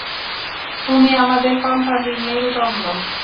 তুমি আমাদের কোম্পানির মেরুদণ্ড।